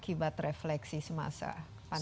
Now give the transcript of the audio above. akibat refleksi semasa pandemi